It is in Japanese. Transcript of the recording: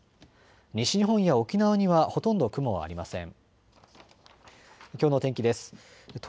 西日本や沖縄にはほとんど雲はありません。